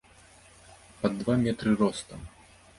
Пад два метры ростам.